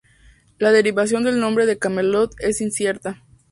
La derivación del nombre de "Camelot" es incierta.